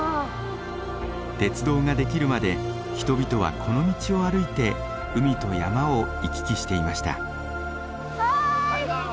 鉄道が出来るまで人々はこの道を歩いて海と山を行き来していました。